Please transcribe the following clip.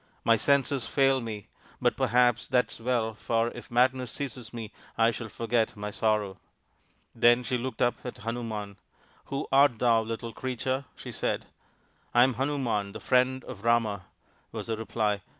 " My senses fail me ! But perhaps that is well, for if madness seizes me I shall forget my sorrow." Then she looked up at Hanuman. " Who art thou, little Creature?" she said. " I am Hanuman, the friend of Rama," was the reply.